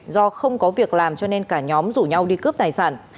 do không có việc làm cho nên cả nhóm rủ nhau đi cướp tài sản